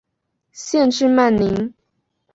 县治曼宁。